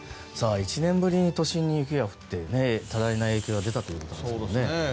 １年ぶりに都心に雪が降って多大な影響が出たということですね。